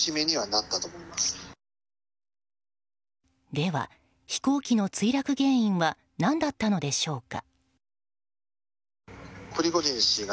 では、飛行機の墜落原因は何だったのでしょうか。